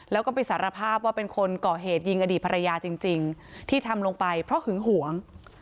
แล้วก็ไปสารภาพว่าเป็นคนก่อเหตุยิงอดีตภรรยาจริงที่ทำลงไปเพราะหึงหวง